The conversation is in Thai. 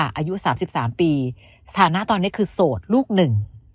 อายุสามสิบสามปีสถานะตอนนี้คือโสดลูกหนึ่ง